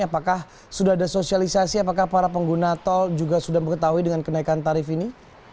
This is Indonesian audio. apakah sudah ada sosialisasi apakah para pengguna tol juga sudah mengetahui dengan kenaikan tarif ini